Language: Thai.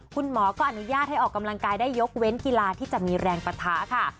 คุณหมอก็อนุญาตให้ออกกำลังกายได้ยกเว้นกีฬาที่จะมีแรงปะทะค่ะ